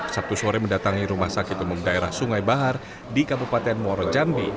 sabtu sore mendatangi rumah sakit umum daerah sungai bahar di kabupaten muarajambi